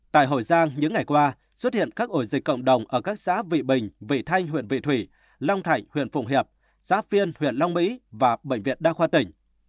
tại hội giang những ngày qua xuất hiện các ổ dịch cộng đồng ở các xã vị bình vị thanh huyện vị thủy long thạnh huyện phụng hiệp xã phiên huyện long mỹ và bệnh viện đa khoa tỉnh